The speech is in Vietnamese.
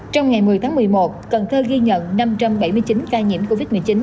trong ngày một mươi tháng một mươi một cần thơ ghi nhận năm trăm bảy mươi chín ca nhiễm covid một mươi chín